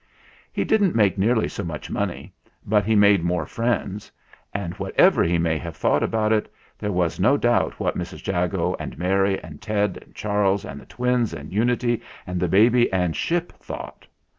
He didn't make nearly so much money, but he made more friends; and whatever he may have thought about it, there was no doubt what Mrs. Jago and Mary and Ted and Charles and the twins and Unity and the baby and Ship thought.